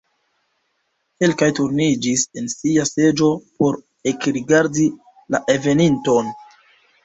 Kelkaj turniĝis en sia seĝo por ekrigardi la enveninton.